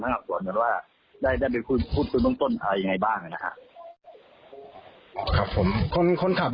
แต่ตอนนี้เบื้องต้นก็ยังไม่ได้แจ้งข้อหาเลย